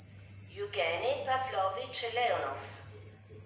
Evgenij Pavlovič Leonov